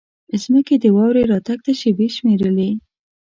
ځمکې د واورې راتګ ته شېبې شمېرلې.